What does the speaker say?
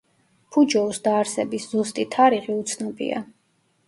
ფუჯოუს დაარსების ზუსტი თარიღი უცნობია.